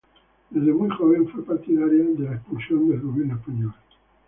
Desde muy joven fue partidaria de la expulsión del gobierno español.